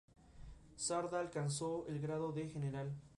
Su nacimiento costó la vida a su madre.